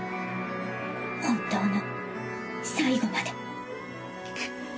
本当の最後まで。